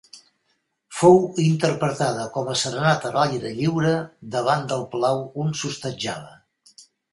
Fou interpretada com a serenata a l'aire lliure, davant del palau on s'hostatjava.